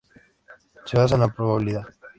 Se basan en la probabilidad.